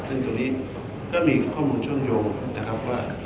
ซึ่งตัวนี้ก็มีข้อมูลเชื่อมโยงนะครับว่า